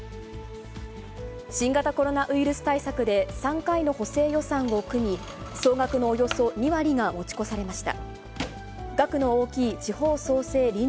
新型コロナウイルス対策で３回の補正予算を組み、総額のおよそ２割が持ち越されました。